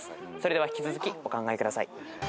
では引き続きお考えください。